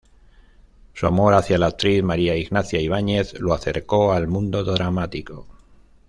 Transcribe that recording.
Su amor hacia la actriz María Ignacia Ibáñez lo acercó al mundo dramático.